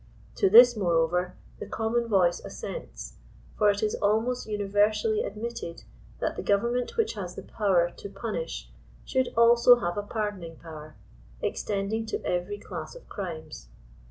To this, moreover, the common voice assents; for it is almost universally admitted that the go vernment which has the power to punish should also have a pardoning power, extending to every class of crimes.